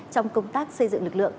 trong công tác xây dựng lực lượng